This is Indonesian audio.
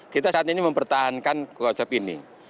kita saat ini mempertahankan konsep ini